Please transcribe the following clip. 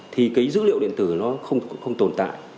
thì cái dữ liệu điện tử nó không tồn tại